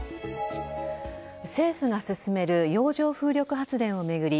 政府が進める洋上風力発電を巡り